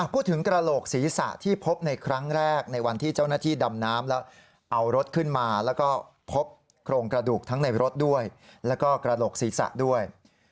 กระโหลกศีรษะที่พบในครั้งแรกในวันที่เจ้าหน้าที่ดำน้ำแล้วเอารถขึ้นมาแล้วก็พบโครงกระดูกทั้งในรถด้วยแล้วก็กระโหลกศีรษะด้วย